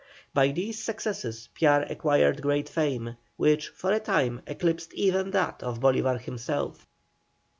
By these successes Piar acquired great fame, which for a time eclipsed even that of Bolívar himself.